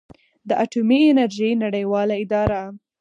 د اټومي انرژۍ نړیواله اداره